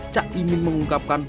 cak imin mengungkapkan